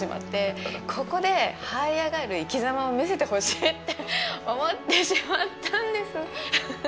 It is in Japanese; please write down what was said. ここではい上がる生きざまを見せてほしいって思ってしまったんです。